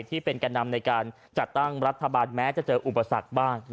ที่เป็นแก่นำในการจัดตั้งรัฐบาลแม้จะเจออุปสรรคบ้าง